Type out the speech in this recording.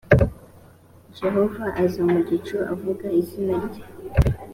yehova aza mu gicu avuga izina rye